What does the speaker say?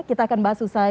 kita akan bahas susah